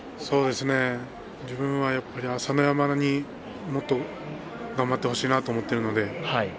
自分は朝乃山にもっと頑張ってほしいなと思っています。